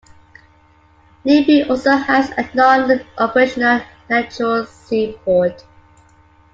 Limbe also has a non-operational natural sea port.